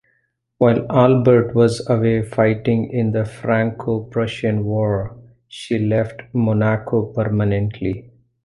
While Albert was away fighting in the Franco-Prussian war, she left Monaco permanently.